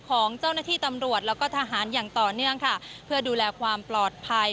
ของเจ้าหน้าที่ตำรวจแล้วก็ทหารอย่างต่อเนื่องค่ะเพื่อดูแลความปลอดภัย